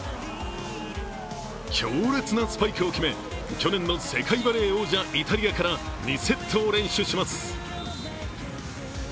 強烈なスパイクを決め去年の世界バレー王者・イタリアからイタリアから２セットを連取します